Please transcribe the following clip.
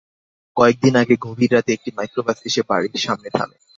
কয়েক দিন আগে গভীর রাতে একটি মাইক্রোবাস এসে বাড়ির সামনে থামে।